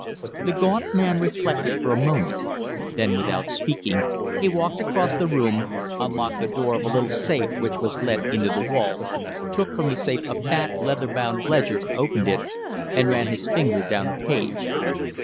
The gaunt man reflected for a moment. Then, without speaking, he walked across the room, unlocked the door of a little safe which was let into the wall, took from the safe a fat, leather bound ledger, opened it, and ran his finger down a page.